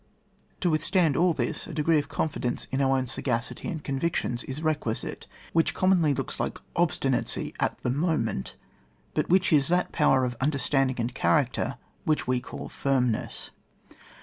To withstand all £iB, a degree of confi dence in our own sagacity and convictions is requisite, which commonly looks Hke obstinacy at the moment, but which is that power of the understanding and character which we call firmness.